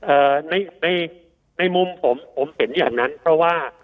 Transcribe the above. เอ่อในในมุมผมผมเห็นอย่างนั้นเพราะว่า